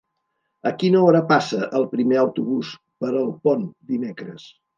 A quina hora passa el primer autobús per Alpont dimecres?